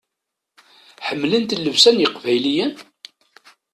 Ḥemmlent llebsa n yeqbayliyen?